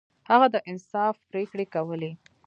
هغه د انصاف پریکړې کولې.